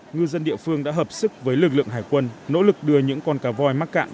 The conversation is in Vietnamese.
ngư dân địa phương đã hợp sức với lực lượng hải quân nỗ lực đưa những con cá voi mắc cạn